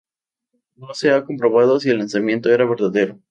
No se ha comprobado si el lanzamiento era verdadero.